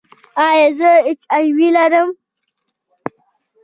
ایا زه ایچ آی وي لرم؟